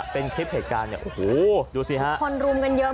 เป็นคลิปเหตุการณ์